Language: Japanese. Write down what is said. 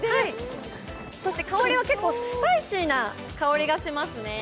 そして香りは結構スパイシーな香りがしますね。